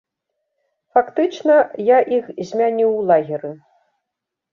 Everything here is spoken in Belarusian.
Фактычна, я іх змяніў у лагеры.